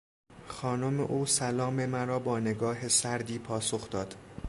خانم او سلام مرا با نگاه سردی پاسخ داد.